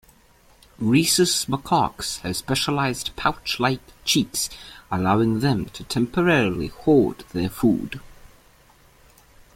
Rhesus macaques have specialized pouch-like cheeks, allowing them to temporarily hoard their food.